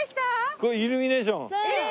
これイルミネーション。